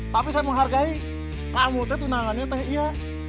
tapi saya menghargai kamu tuh tunangannya tuh iya